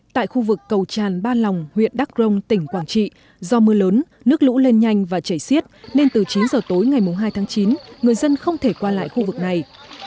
tại khu vực cầu tràn ba lòng huyện đắc rông tỉnh quảng trị do mưa lớn nước lũ lên nhanh và chảy xiết nên từ chín giờ tối ngày hai tháng chín người dân không thể qua lại khu vực này